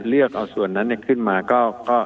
เลือกเอาส่วนนั้นขึ้นมาก็